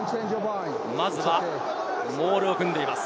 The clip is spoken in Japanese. まずはモールを組んでいます。